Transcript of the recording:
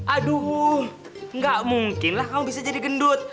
aduh gak mungkin lah kamu bisa jadi gendut